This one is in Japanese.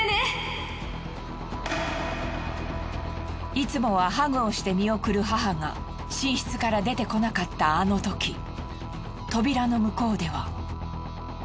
いつもはハグをして見送る母が寝室から出てこなかったあのとき扉の向こうでは。